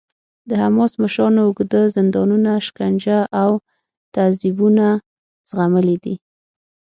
د حماس مشرانو اوږده زندانونه، شکنجه او تعذیبونه زغملي دي.